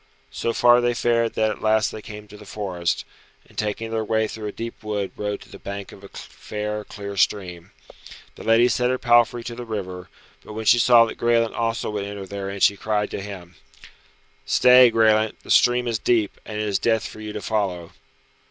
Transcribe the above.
So far they fared that at last they came to the forest, and taking their way through a deep wood rode to the bank of a fair, clear stream. The lady set her palfrey to the river, but when she saw that Graelent also would enter therein she cried to him, "Stay, Graelent, the stream is deep, and it is death for you to follow."